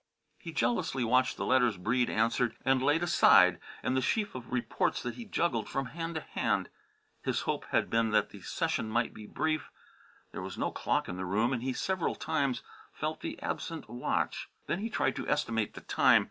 He jealously watched the letters Breede answered and laid aside, and the sheaf of reports that he juggled from hand to hand. His hope had been that the session might be brief. There was no clock in the room and he several times felt for the absent watch. Then he tried to estimate the time.